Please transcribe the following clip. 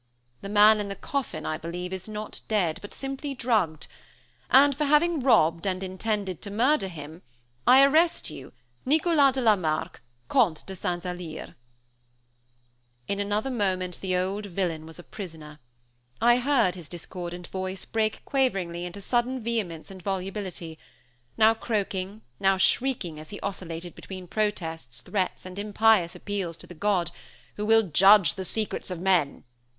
The man in the coffin, I believe, is not dead, but simply drugged. And for having robbed and intended to murder him, I arrest you, Nicolas de la Marque, Count de St. Alyre." In another moment the old villain was a prisoner. I heard his discordant voice break quaveringly into sudden vehemence and volubility; now croaking now shrieking as he oscillated between protests, threats, and impious appeals to the God who will "judge the secrets of men!"